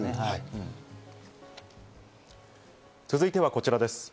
続いてはこちらです。